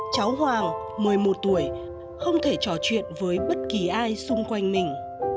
cháu hoàng một mươi một tuổi không thể trò chuyện với bất kỳ ai xung quanh mình